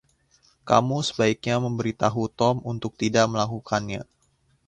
Kamu sebaiknya memberitahu Tom untuk tidak melakukannya.